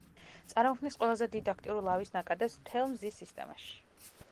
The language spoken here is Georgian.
წარმოქმნის ყველაზე დიდ, აქტიურ ლავის ნაკადებს მთელ მზის სისტემაში.